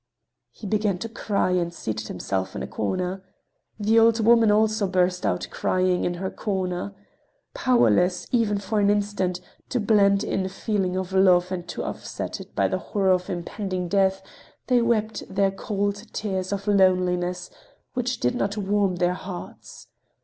He began to cry, and seated himself in a corner. The old woman also burst out crying in her corner. Powerless, even for an instant, to blend in a feeling of love and to offset by it the horror of impending death, they wept their cold tears of loneliness which did not warm their hearts.